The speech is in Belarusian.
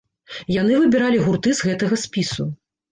Яны выбіралі гурты з гэтага спісу.